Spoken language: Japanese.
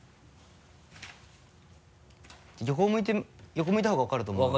横向いた方が分かると思うので。